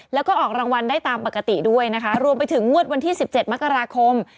แล้วก็ออกรางวัลได้ตามปกติด้วยนะคะรวมไปถึงงวดวันที่๑๗มกราคม